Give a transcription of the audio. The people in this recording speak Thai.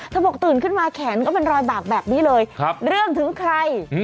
บอกตื่นขึ้นมาแขนก็เป็นรอยบากแบบนี้เลยเรื่องถึงใคร